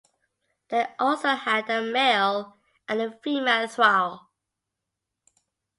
They also had a male and a female thrall.